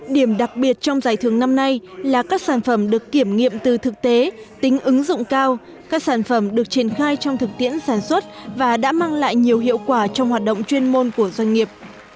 điểm đặc biệt trong giải thưởng năm nay là các sản phẩm được kiểm nghiệm từ thực tế tính ứng dụng cao các sản phẩm được triển khai trong thực tiễn sản xuất và đã mang lại nhiều hiệu quả trong hoạt động chuyên môn của doanh nghiệp